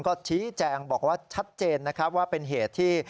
ก็ชี้แจงบอกว่าชัดเจนนะครับว่าเป็นเหตุที่